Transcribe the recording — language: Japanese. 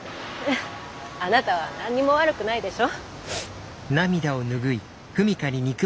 あなたは何にも悪くないでしょ？